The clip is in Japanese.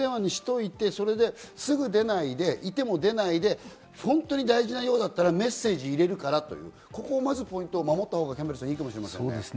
それですぐ出ないで、いても出ないで本当に大事な用だったらメッセージを入れるから、ここをまず守ったほうがいいかもしれませんね。